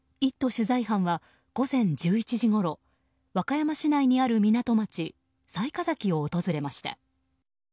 取材班は午前１１時ごろ和歌山市内にある港町雑賀崎を訪れました。